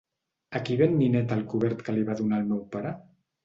A qui ven Nineta el cobert que li va donar el seu pare?